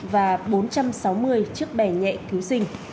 và bốn trăm sáu mươi chiếc bẻ nhẹ cứu sinh